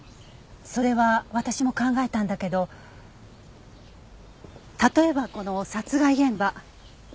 それは私も考えたんだけど例えばこの殺害現場。